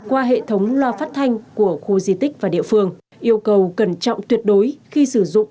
qua hệ thống loa phát thanh của khu di tích và địa phương yêu cầu cẩn trọng tuyệt đối khi sử dụng